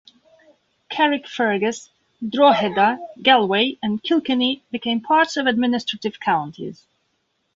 Carrickfergus, Drogheda, Galway and Kilkenny became parts of administrative counties.